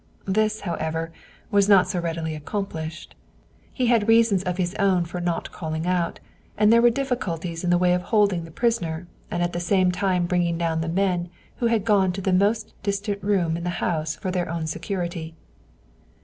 This, however, was not so readily accomplished. He had reasons of his own for not calling out, and there were difficulties in the way of holding the prisoner and at the same time bringing down the men who had gone to the most distant room in the house for their own security.